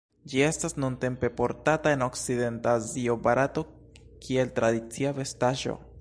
Ĝi estas nuntempe portata en okcidenta Azio, Barato, kiel tradicia vestaĵo.